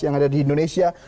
yang ada di indonesia